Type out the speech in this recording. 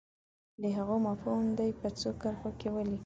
د هغو مفهوم دې په څو کرښو کې ولیکي.